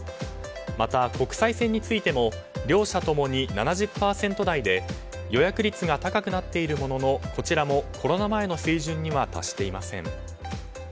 また国際線についても両社ともに７０％台で予約率が高くなっているもののこちらもコロナ前の水準には達していません。